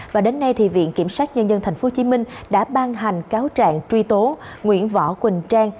và đến nay thì viện kiểm sát nhân dân tp hcm đã ban hành cáo trạng truy tố nguyễn võ quỳnh trang